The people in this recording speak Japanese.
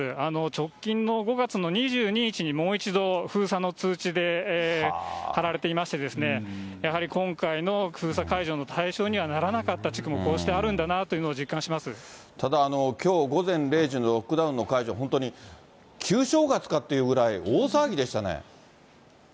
直近の５月の２２日に、もう一度封鎖の通知で貼られていまして、やはり今回の封鎖解除の対象にはならなかった地区もこうしてあるただ、きょう午前０時のロックダウンの解除、本当に旧正月かっていうぐらい、大騒ぎでしたね。